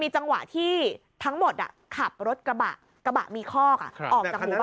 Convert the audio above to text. มีจังหวะที่ทั้งหมดอ่ะขับรถกระบะกระบะมีคอกออก